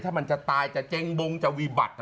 ถ้ามันจะตายจะเจ๊งบงจะวิบัติ